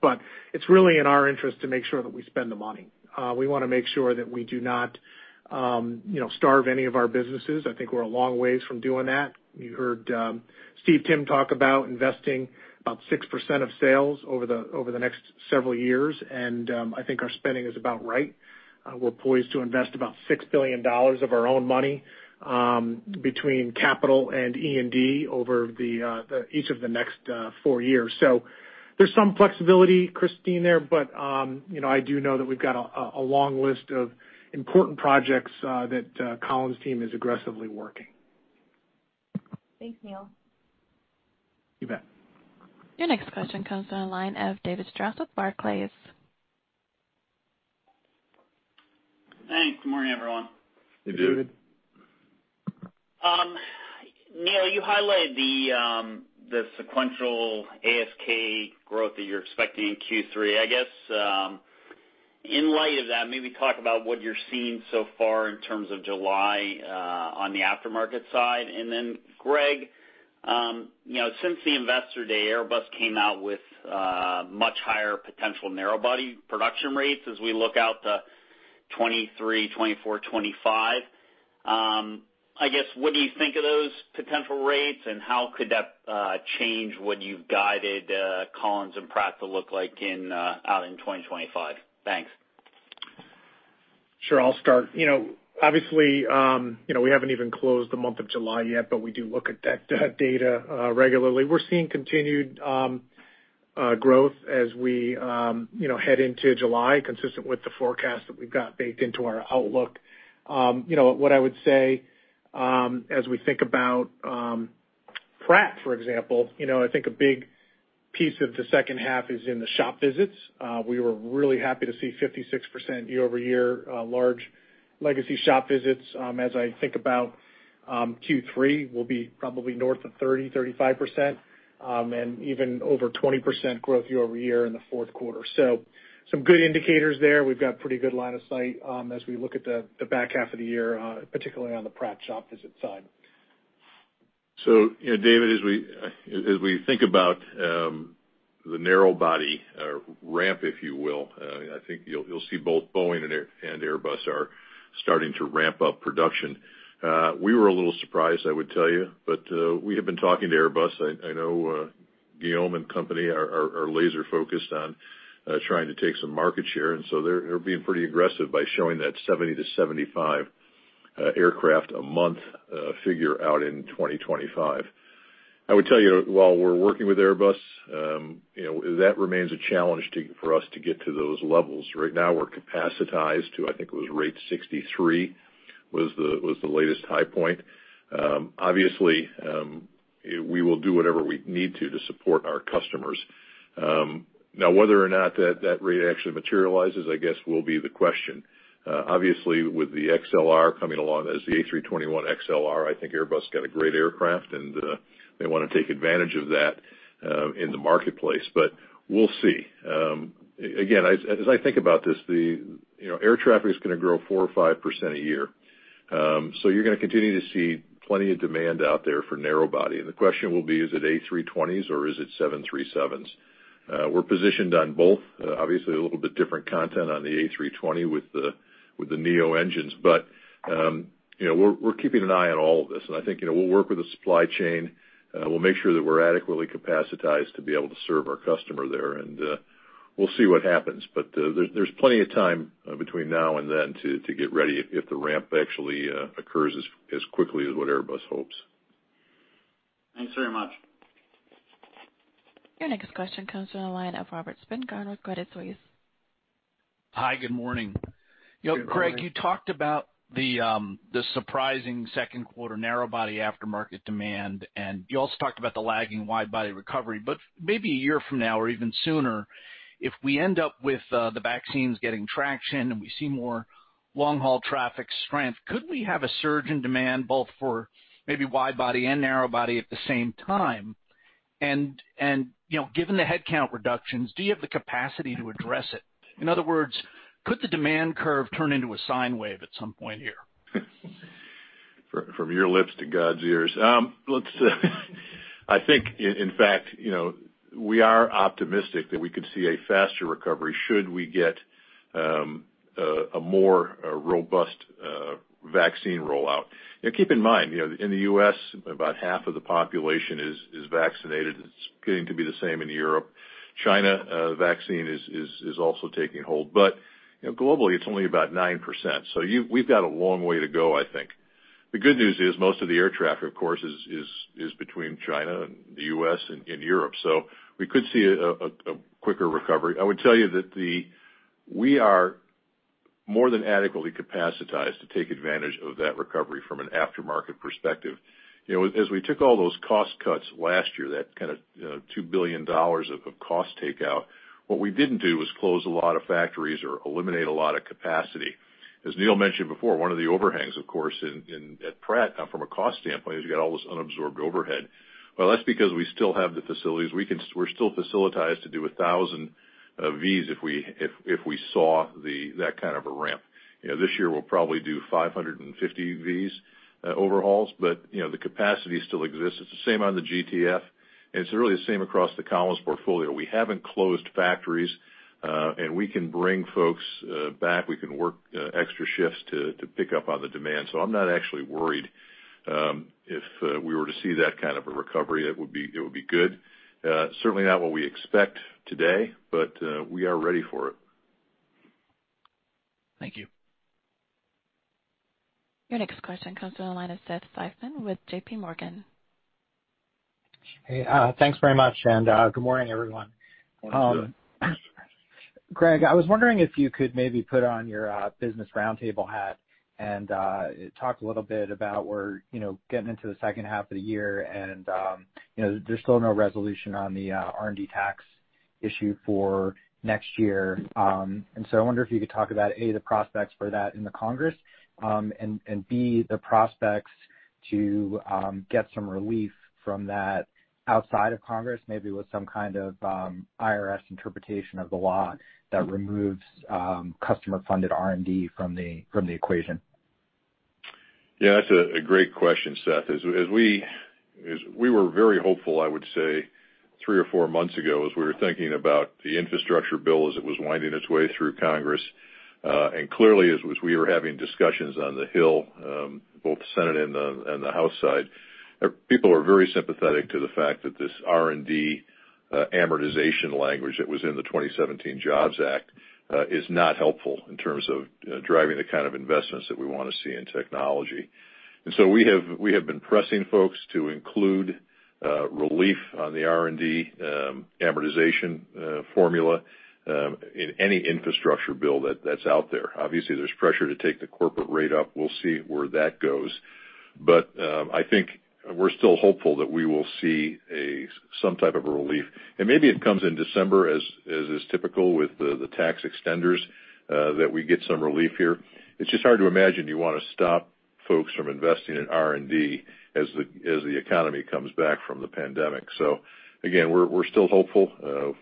S3: It's really in our interest to make sure that we spend the money. We want to make sure that we do not starve any of our businesses. I think we're a long ways from doing that. You heard Stephen Timm talk about investing about 6% of sales over the next several years. I think our spending is about right. We're poised to invest about $6 billion of our own money between capital and E&D over each of the next four years. There's some flexibility, Kristine, there, but I do know that we've got a long list of important projects that Collins team is aggressively working.
S13: Thanks, Neil.
S3: You bet.
S1: Your next question comes on the line of David Strauss with Barclays.
S14: Thanks. Good morning, everyone.
S2: Hey, David.
S3: Hey, David.
S14: Neil, you highlighted the sequential ASM growth that you're expecting in Q3. I guess, in light of that, maybe talk about what you're seeing so far in terms of July on the aftermarket side. Greg, since the Investor Day, Airbus came out with much higher potential narrow-body production rates as we look out to 2023, 2024, 2025. I guess, what do you think of those potential rates, and how could that change what you've guided Collins and Pratt to look like out in 2025? Thanks.
S3: Sure. I'll start. Obviously, we haven't even closed the month of July yet, we do look at that data regularly. We're seeing continued growth as we head into July, consistent with the forecast that we've got baked into our outlook. What I would say, as we think about Pratt, for example, I think a big piece of the second half is in the shop visits. We were really happy to see 56% year-over-year large legacy shop visits. As I think about Q3, we'll be probably north of 30%, 35%, and even over 20% growth year-over-year in the fourth quarter. Some good indicators there. We've got pretty good line of sight as we look at the back half of the year, particularly on the Pratt shop visit side.
S2: David, as we think about the narrow-body ramp, if you will, I think you'll see both Boeing and Airbus are starting to ramp up production. We were a little surprised, I would tell you, we have been talking to Airbus. I know Guillaume and company are laser-focused on trying to take some market share, they're being pretty aggressive by showing that 70-75 aircraft a month figure out in 2025. I would tell you, while we're working with Airbus, that remains a challenge for us to get to those levels. Right now, we're capacitized to, I think it was rate 63, was the latest high point. Obviously, we will do whatever we need to to support our customers. Whether or not that rate actually materializes, I guess, will be the question. Obviously, with the XLR coming along as the A321XLR, I think Airbus has got a great aircraft, and they want to take advantage of that in the marketplace. We'll see. Again, as I think about this, air traffic is going to grow 4% or 5% a year. You're going to continue to see plenty of demand out there for narrow-body. The question will be, is it A320s or is it 737s? We're positioned on both. Obviously, a little bit different content on the A320 with the GTF engines. We're keeping an eye on all of this, and I think we'll work with the supply chain. We'll make sure that we're adequately capacitized to be able to serve our customer there, and we'll see what happens. There's plenty of time between now and then to get ready if the ramp actually occurs as quickly as what Airbus hopes.
S14: Thanks very much.
S1: Your next question comes from the line of Robert Spingarn with Credit Suisse.
S15: Hi, good morning.
S3: Good morning.
S15: Greg, you talked about the surprising second quarter narrow-body aftermarket demand, and you also talked about the lagging wide-body recovery. Maybe a year from now or even sooner, if we end up with the vaccines getting traction, and we see more long-haul traffic strength, could we have a surge in demand both for maybe wide-body and narrow-body at the same time? Given the headcount reductions, do you have the capacity to address it? In other words, could the demand curve turn into a sine wave at some point here?
S2: From your lips to God's ears. I think, in fact, we are optimistic that we could see a faster recovery should we get a more robust vaccine rollout. Keep in mind, in the U.S., about half of the population is vaccinated. It's getting to be the same in Europe. China, vaccine is also taking hold. Globally, it's only about 9%, so we've got a long way to go, I think. The good news is most of the air traffic, of course, is between China and the U.S., and Europe. We could see a quicker recovery. I would tell you that we are more than adequately capacitized to take advantage of that recovery from an aftermarket perspective. As we took all those cost cuts last year, that kind of $2 billion of cost takeout, what we didn't do was close a lot of factories or eliminate a lot of capacity. As Neil mentioned before, one of the overhangs, of course, at Pratt from a cost standpoint, is you got all this unabsorbed overhead. Well, that's because we still have the facilities. We're still facilitized to do 1,000 of these if we saw that kind of a ramp. This year, we'll probably do 550 of these overhauls. The capacity still exists. It's the same on the GTF. It's really the same across the Collins portfolio. We haven't closed factories. We can bring folks back. We can work extra shifts to pick up on the demand. I'm not actually worried. If we were to see that kind of a recovery, it would be good. Certainly not what we expect today, but we are ready for it.
S15: Thank you.
S1: Your next question comes from the line of Seth Seifman with JPMorgan.
S16: Hey, thanks very much, and good morning, everyone.
S2: Good morning, Seth.
S16: Greg, I was wondering if you could maybe put on your Business Roundtable hat and talk a little bit about, we're getting into the second half of the year, and there's still no resolution on the R&D tax issue for next year. I wonder if you could talk about, A, the prospects for that in the Congress, and B, the prospects to get some relief from that outside of Congress, maybe with some kind of IRS interpretation of the law that removes customer-funded R&D from the equation.
S2: Yeah. That's a great question, Seth. We were very hopeful, I would say, three or four months ago, as we were thinking about the infrastructure bill as it was winding its way through Congress. Clearly, as we were having discussions on the Hill, both the Senate and the House side, people are very sympathetic to the fact that this R&D amortization language that was in the 2017 Jobs Act is not helpful in terms of driving the kind of investments that we want to see in technology. So we have been pressing folks to include relief on the R&D amortization formula in any infrastructure bill that's out there. Obviously, there's pressure to take the corporate rate up. We'll see where that goes. I think we're still hopeful that we will see some type of a relief. Maybe it comes in December, as is typical with the tax extenders, that we get some relief here. It's just hard to imagine you want to stop folks from investing in R&D as the economy comes back from the pandemic. Again, we're still hopeful.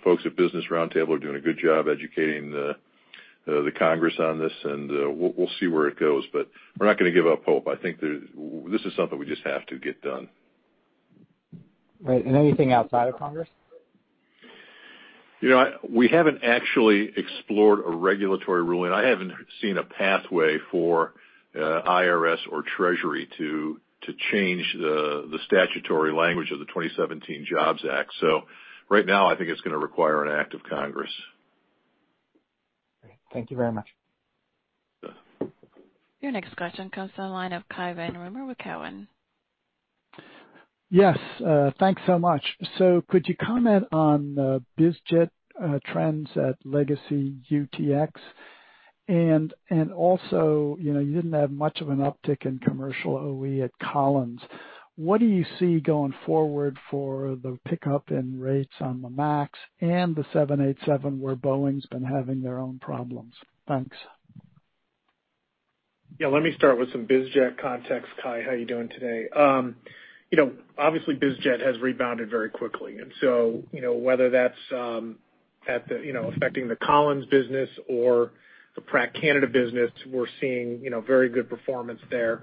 S2: Folks at Business Roundtable are doing a good job educating the Congress on this, and we'll see where it goes. We're not going to give up hope. I think this is something we just have to get done.
S16: Right. Anything outside of Congress?
S2: We haven't actually explored a regulatory ruling. I haven't seen a pathway for IRS or Treasury to change the statutory language of the 2017 Jobs Act. Right now, I think it's going to require an act of Congress.
S16: Great. Thank you very much.
S2: Yeah.
S1: Your next question comes from the line of Cai von Rumohr with Cowen.
S17: Yes. Thanks so much. Could you comment on biz jet trends at legacy UTX? Also, you didn't have much of an uptick in commercial OE at Collins. What do you see going forward for the pickup in rates on the MAX and the 787, where Boeing's been having their own problems? Thanks.
S3: Let me start with some biz jet context, Cai. How are you doing today? Obviously, biz jet has rebounded very quickly, and so whether that's affecting the Collins business or the Pratt Canada business, we're seeing very good performance there.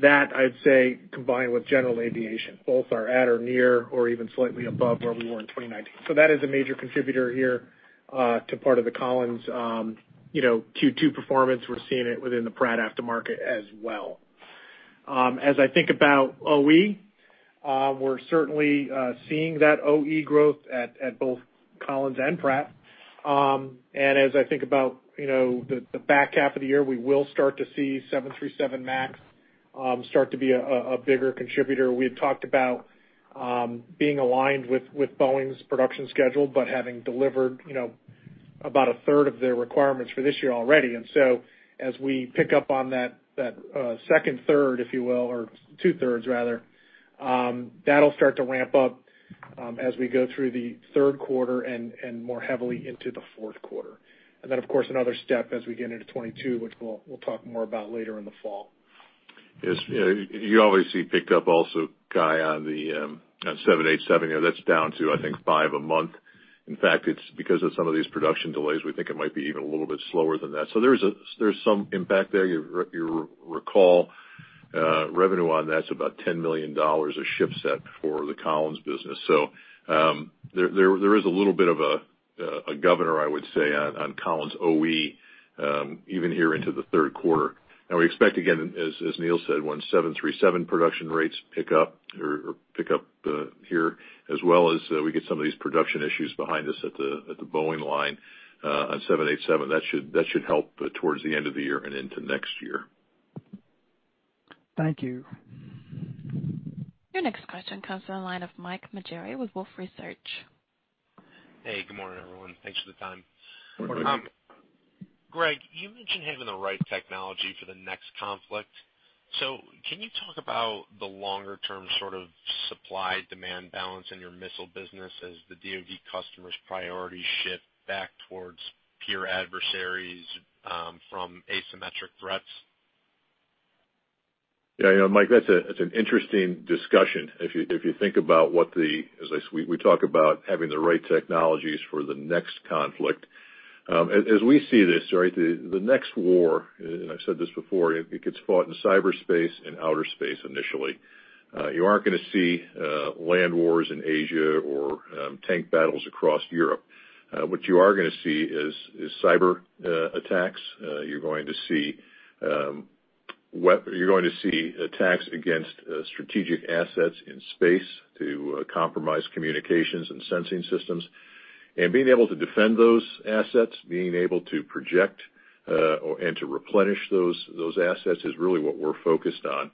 S3: That, I'd say, combined with general aviation, both are at or near or even slightly above where we were in 2019. That is a major contributor here to part of the Collins' Q2 performance. We're seeing it within the Pratt aftermarket as well. As I think about OE, we're certainly seeing that OE growth at both Collins and Pratt. As I think about the back half of the year, we will start to see 737 MAX start to be a bigger contributor. We had talked about being aligned with Boeing's production schedule, but having delivered about a third of their requirements for this year already. As we pick up on that second third, if you will, or 2/3 rather, that'll start to ramp up as we go through the third quarter and more heavily into the fourth quarter. Then, of course, another step as we get into 2022, which we'll talk more about later in the fall.
S2: Yes. You obviously picked up also, Cai, on the 787. That's down to, I think, five a month. In fact, it's because of some of these production delays, we think it might be even a little bit slower than that. There's some impact there. You recall revenue on that's about $10 million a ship set for the Collins business. There is a little bit of a governor, I would say, on Collins OE, even here into the third quarter. We expect, again, as Neil said, when 737 production rates pick up here, as well as we get some of these production issues behind us at the Boeing line on 787. That should help towards the end of the year and into next year.
S17: Thank you.
S1: Your next question comes from the line of Mike Maugeri with Wolfe Research.
S18: Hey, good morning, everyone. Thanks for the time.
S2: Good morning.
S3: Good morning.
S18: Greg, you mentioned having the right technology for the next conflict. Can you talk about the longer-term sort of supply-demand balance in your missile business as the DOD customer's priorities shift back towards peer adversaries from asymmetric threats?
S2: Yeah, Mike, that's an interesting discussion. If you think about what as we talk about having the right technologies for the next conflict. As we see this, right? The next war, and I've said this before, it gets fought in cyberspace and outer space initially. You aren't going to see land wars in Asia or tank battles across Europe. What you are going to see is cyber attacks. You're going to see attacks against strategic assets in space to compromise communications and sensing systems. Being able to defend those assets, being able to project and to replenish those assets is really what we're focused on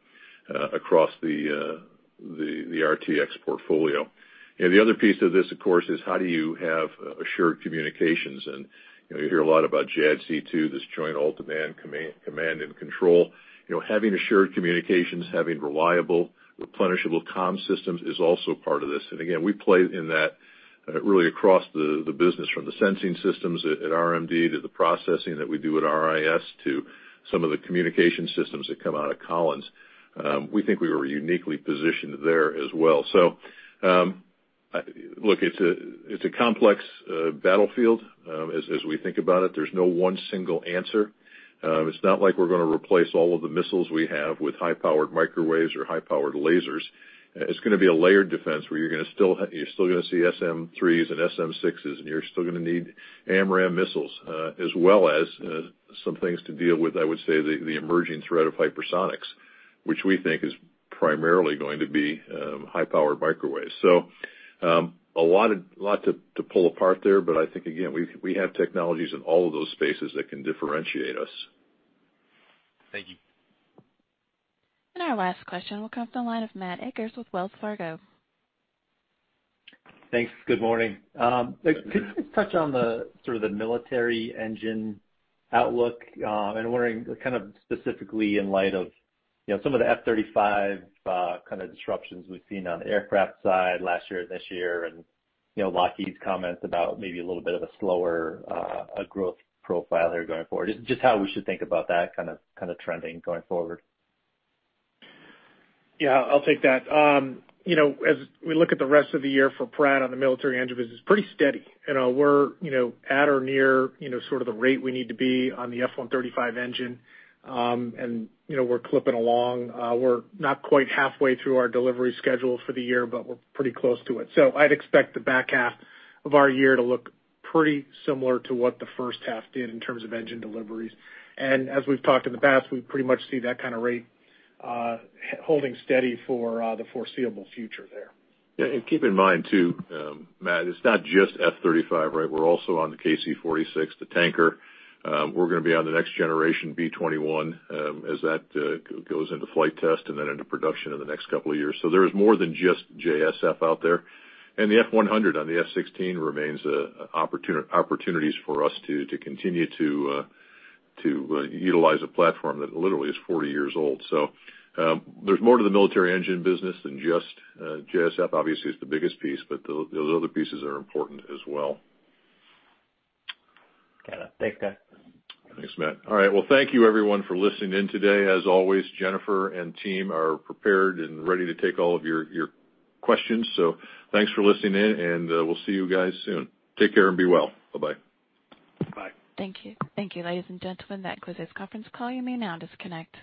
S2: across the RTX portfolio. The other piece of this, of course, is how do you have assured communications? You hear a lot about JADC2, this Joint All-Domain Command and Control. Having assured communications, having reliable, replenishable comm systems is also part of this. Again, we play in that really across the business, from the sensing systems at RMD to the processing that we do at RIS to some of the communication systems that come out of Collins. We think we were uniquely positioned there as well. Look, it's a complex battlefield as we think about it. There's no one single answer. It's not like we're going to replace all of the missiles we have with high-powered microwaves or high-powered lasers. It's going to be a layered defense, where you're still going to see SM-3s and SM-6s, and you're still going to need AMRAAM missiles, as well as some things to deal with, I would say, the emerging threat of hypersonics, which we think is primarily going to be high-powered microwaves. A lot to pull apart there, but I think, again, we have technologies in all of those spaces that can differentiate us.
S18: Thank you.
S1: Our last question will come from the line of Matt Akers with Wells Fargo.
S19: Thanks. Good morning.
S3: Good morning.
S19: Could you just touch on the military engine outlook? I'm wondering kind of specifically in light of some of the F-35 kind of disruptions we've seen on the aircraft side last year, this year, and Lockheed's comments about maybe a little bit of a slower growth profile there going forward. Just how we should think about that kind of trending going forward.
S3: Yeah, I'll take that. As we look at the rest of the year for Pratt on the military engine business, pretty steady. We're at or near sort of the rate we need to be on the F135 engine. We're clipping along. We're not quite halfway through our delivery schedule for the year, but we're pretty close to it. I'd expect the back half of our year to look pretty similar to what the first half did in terms of engine deliveries. As we've talked in the past, we pretty much see that kind of rate holding steady for the foreseeable future there.
S2: Yeah, keep in mind too, Matt, it's not just F-35, right? We're also on the KC-46, the tanker. We're going to be on the next generation B-21, as that goes into flight test and then into production in the next couple of years. There is more than just JSF out there. The F100 on the F-16 remains opportunities for us to continue to utilize a platform that literally is 40 years old. There's more to the military engine business than just JSF. Obviously, it's the biggest piece, but those other pieces are important as well.
S19: Got it. Thanks, guys.
S2: Thanks, Matt. All right. Well, thank you everyone for listening in today. As always, Jennifer and team are prepared and ready to take all of your questions. Thanks for listening in, and we'll see you guys soon. Take care and be well. Bye-bye.
S3: Bye.
S1: Thank you. Thank you, ladies and gentlemen, that concludes this conference call. You may now disconnect.